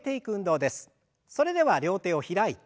それでは両手を開いて。